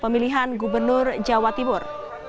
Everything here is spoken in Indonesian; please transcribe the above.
pemilihan gubernur jawa timur